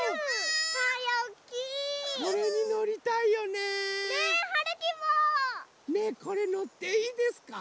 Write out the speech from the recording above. ねえこれのっていいですか？